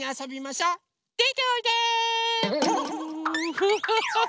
フフフフ。